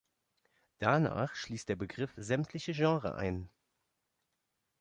Danach schließt der Begriff sämtliche Genres ein.